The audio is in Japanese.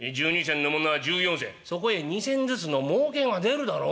そこへ２銭ずつのもうけが出るだろ？